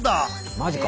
マジか。